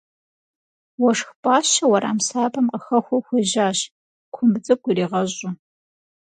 Уэшх пӏащэ уэрам сабэм къыхэхуэу хуежьащ, кумб цӏыкӏу иригъэщӏу.